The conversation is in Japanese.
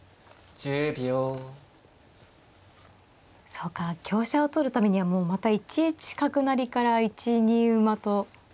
そうか香車を取るためにはまた１一角成から１二馬と。